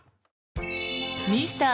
ミスター